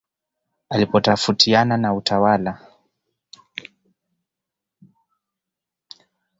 Alipotafautiana na utawala wa kijerumani alikimbia